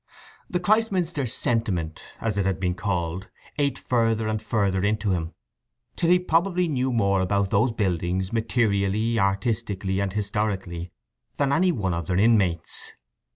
The Christminster "sentiment," as it had been called, ate further and further into him; till he probably knew more about those buildings materially, artistically, and historically, than any one of their inmates.